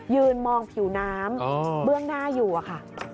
ยืนมองผิวน้ำเบื้องหน้าอยู่อะค่ะ